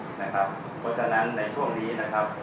เพราะฉะนั้นในช่วงนี้นะครับ